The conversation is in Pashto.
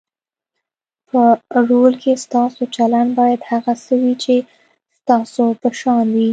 په رول کې ستاسو چلند باید هغه څه وي چې ستاسو په شان وي.